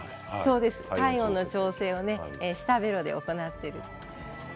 体温の調整を舌ベロで行っている。